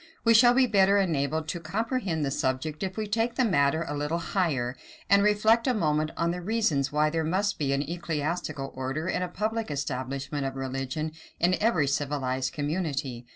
We shall be better enabled to comprehend the subject if we take the matter a little higher, and reflect a moment on the reasons why there must be an ecclesiastical order and a public establishment of religion in every civilized community.